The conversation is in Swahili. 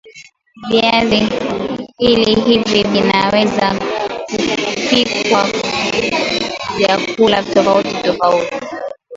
viazi hili hivi vinaweza kupikwa vyakula tofauti tofauti